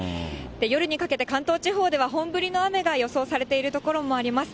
夜にかけて関東地方では本降りの雨が予想されている所があります。